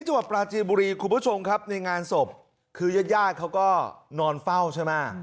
จังหวัดปราจีนบุรีคุณผู้ชมครับในงานศพคือยาดเขาก็นอนเฝ้าใช่ไหม